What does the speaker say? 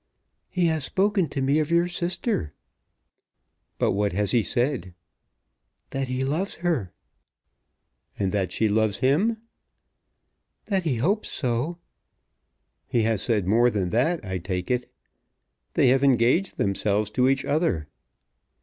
"He has spoken to me of your sister." "But what has he said?" "That he loves her." "And that she loves him?" "That he hopes so." "He has said more than that, I take it. They have engaged themselves to each other."